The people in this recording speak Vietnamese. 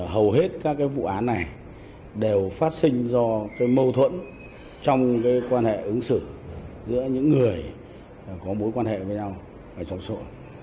hầu hết các vụ án này đều phát sinh do mâu thuẫn trong quan hệ ứng xử giữa những người có mối quan hệ với nhau